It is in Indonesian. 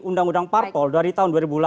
undang undang parpol dari tahun dua ribu delapan